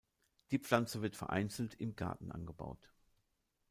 Die Pflanze wird vereinzelt im Garten angebaut.